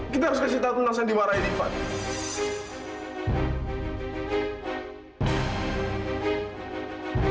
kita harus kasih tahu tentang sandiwara ini pak